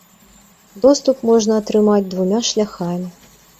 Доступ можна атрымаць двума шляхамі.